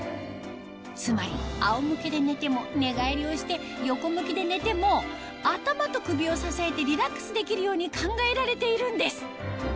つまりあおむけで寝ても寝返りをして横向きで寝ても頭と首を支えてリラックスできるように考えられているんです